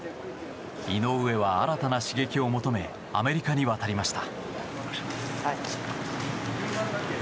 井上は新たな刺激を求めアメリカに渡りました。